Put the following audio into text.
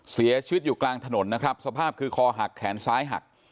เสียชีวิตอยู่กลางถนนนะครับสภาพคือคอหักแขนซ้ายหัก